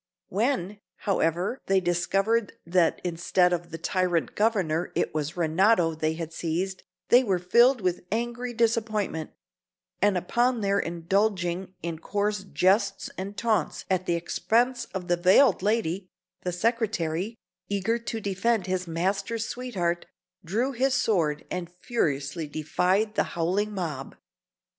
When, however, they discovered that instead of the tyrant Governor it was Renato they had seized, they were filled with angry disappointment; and upon their indulging in coarse jests and taunts at the expense of the veiled lady, the secretary, eager to defend his master's sweetheart, drew his sword and furiously defied the howling mob.